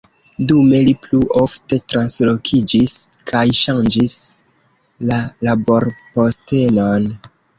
Dume li plu ofte translokiĝis, kaj ŝanĝis la laborpostenon.